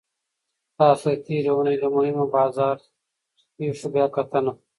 تاسو ته د تیرې اونۍ د مهمو بازار پیښو بیاکتنه